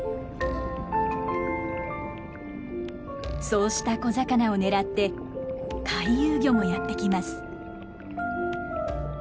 そうした小魚を狙って回遊魚もやって来ます。